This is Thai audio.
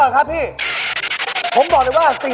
ตะเกียบคู่หน้ารถมอไซค์